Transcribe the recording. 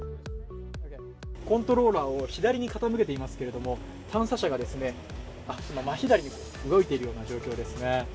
コントローラーを左に傾けていますけど探査車が今、真左に動いているような状況ですね。